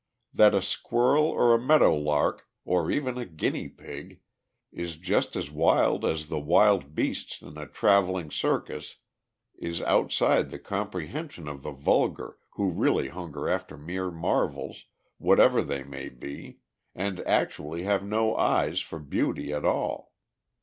That a squirrel or a meadow lark, or even a guinea pig, is just as wild as the wild beasts in a travelling circus is outside the comprehension of the vulgar, who really hunger after mere marvels, whatever they may be, and actually have no eyes for beauty at all.